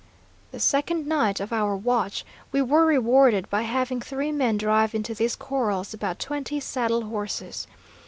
"The second night of our watch, we were rewarded by having three men drive into these corrals about twenty saddle horses.